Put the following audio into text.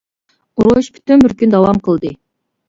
ئۇرۇش پۈتۈن بىر كۈن داۋام قىلدى.